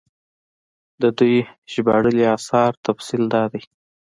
د دوي ژباړلي اثارو تفصيل دا دی